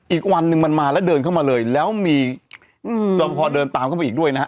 อีกวันหนึ่งมันมาแล้วเดินเข้ามาเลยแล้วมีรอพอเดินตามเข้าไปอีกด้วยนะฮะ